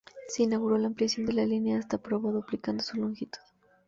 El se inauguró la ampliación de la línea hasta Provo, duplicando su longitud.